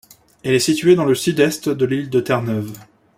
Elle est située dans le Sud-Est de l'île de Terre-Neuve.